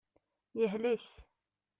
Yehlek.